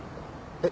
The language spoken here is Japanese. えっ？